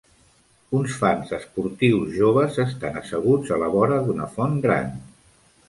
Uns fans esportius joves estan asseguts a la vora d'una font gran.